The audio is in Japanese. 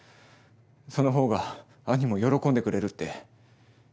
そのほうが兄も喜んでくれるって。